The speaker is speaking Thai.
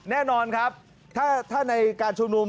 แน่นอนครับถ้าในการชุมนุม